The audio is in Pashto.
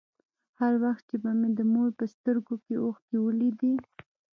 هر وخت چې به مې د مور په سترگو کښې اوښکې ولېدې.